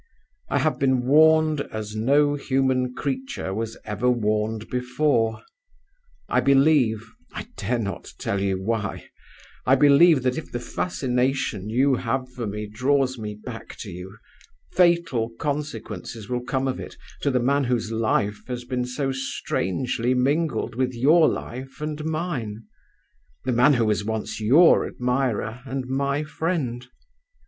I have been warned as no human creature was ever warned before. I believe I dare not tell you why I believe that, if the fascination you have for me draws me back to you, fatal consequences will come of it to the man whose life has been so strangely mingled with your life and mine the man who was once your admirer and my friend.